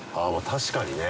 確かにね。